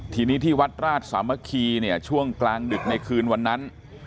ทีนี้ที่วัดราชสามัคคีเนี่ยช่วงกลางดึกในคืนวันนั้น